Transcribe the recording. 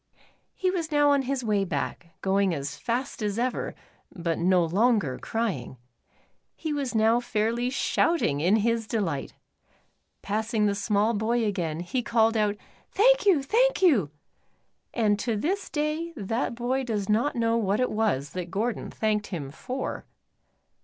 He was now on his way back, going as fast as ever, but no longer crying. He was now fairly shouting in his delight. Passing the small boy again, he called out, "Thank you, thank you," 62 The N. S. Bicycle. and to this day that boy does not know what it was that Gordon thanked him for.